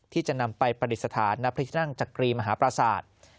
ที่จะนำไปปฏิสถานณพลิชนั่งจักรีมหาปราศาสตร์